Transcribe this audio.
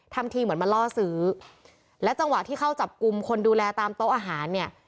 ทำทีเหมือนมาล่อซื้อและจังหวะที่เข้าจับกลุ่มคนดูแลตามโต๊ะอาหารเนี่ย